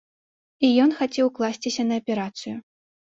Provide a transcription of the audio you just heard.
І ён хацеў класціся на аперацыю.